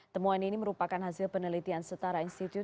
temuan ini merupakan hasil penelitian setara institut